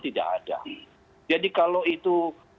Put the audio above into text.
tidak ada jadi kalau itu